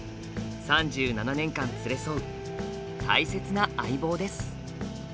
３７年間連れ添う大切な相棒です。